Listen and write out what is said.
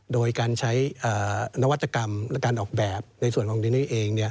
โดยการใช้นวัตกรรมและการออกแบบในส่วนของดินนี่เอง